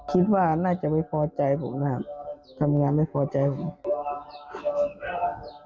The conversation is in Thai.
คิดว่าน่าจะไม่พอใจผมนะครับทำงานไม่พอใจผม